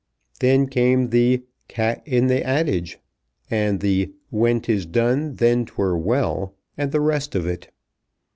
Then came the "cat i' the adage," and the "when 'tis done then 'twere well," and the rest of it.